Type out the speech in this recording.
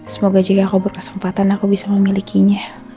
semoga jika aku berkesempatan aku bisa memilikinya